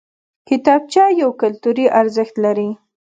کتابچه یو کلتوري ارزښت لري